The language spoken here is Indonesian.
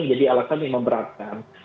menjadi alasan yang memberatkan